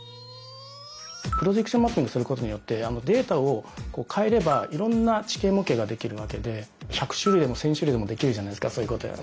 プロジェクションマッピングすることによってデータを変えればいろんな地形模型ができるわけで１００種類でも１，０００種類でもできるじゃないですか。